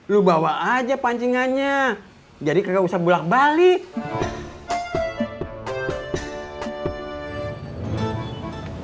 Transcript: lo bawa aja pancingannya jadi gak usah bulat balik